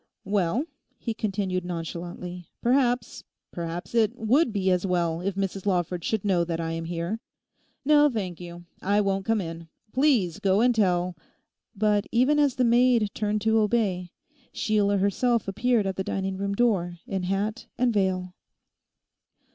'Well,' he continued nonchalantly, 'perhaps—perhaps it—would be as well if Mrs Lawford should know that I am here. No, thank you, I won't come in. Please go and tell—' But even as the maid turned to obey, Sheila herself appeared at the dining room door in hat and veil.